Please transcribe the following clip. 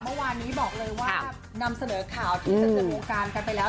เมื่อวานนี้บอกเลยว่านำเสนอข่าวที่ดำเนินวงการกันไปแล้ว